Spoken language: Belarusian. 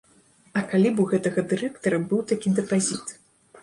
А калі б у гэтага дырэктара быў такі дэпазіт?